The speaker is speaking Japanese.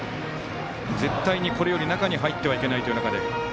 絶対に、これより中に入ってはいけないという中で。